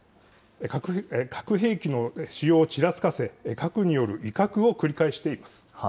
核兵器の使用をちらつかせ、核による威嚇を繰り返しています。